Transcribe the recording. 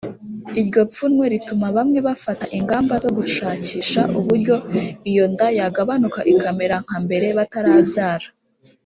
Iryo pfunwe rituma bamwe bafata ingamba zo gushakisha uburyo iyo nda yagabanuka ikamera nka mbera batarabyara